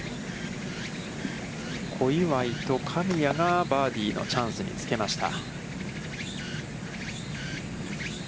小祝と神谷がバーディーのチャンスにつけました。